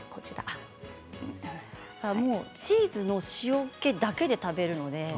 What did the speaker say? チーズの塩けだけで食べるので。